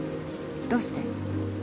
どうして？